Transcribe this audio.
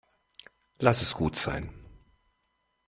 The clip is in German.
Lass es gut sein.